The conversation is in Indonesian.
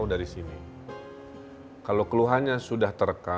masukkan ke kota bandung